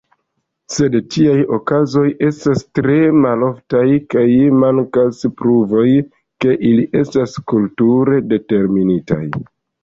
Sed tiaj okazoj estas tre maloftaj, kaj mankas pruvoj, ke ili estas kulture determinitaj.